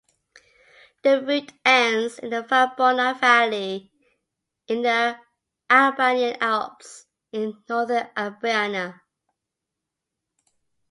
The route ends in the Valbona valley in the Albanian Alps in Northern Albania.